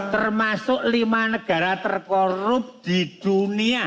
termasuk lima negara terkorup di dunia